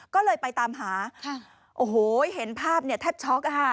ก็เลยไปตามหาโอ้โหเห็นภาพแทบช็อกค่ะ